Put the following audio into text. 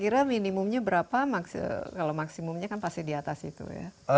kira minimumnya berapa kalau maksimumnya kan pasti di atas itu ya